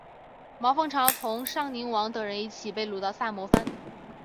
毛凤朝同尚宁王等人一起被掳到萨摩藩。